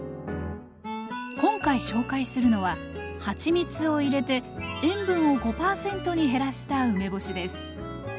今回紹介するのははちみつを入れて塩分を５％に減らした梅干しです。